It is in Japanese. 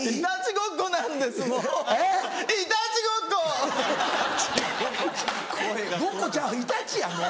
「ごっこ」ちゃうイタチやもう。